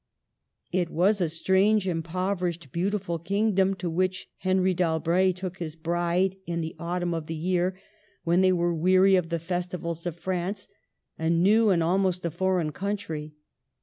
It was a strange, impoverished, beautiful king dom to which Henry d'Albret took his bride in QUEEN OF NAVARRE. 121 the autumn of the year, when they were weary of the festivals of France, — a new and almost a foreign country.